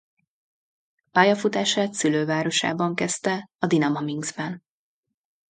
Pályafutását szülővárosában kezdte a Dinama Minszkben.